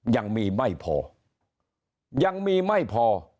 ยังมีไม่พอยังมีไม่พอ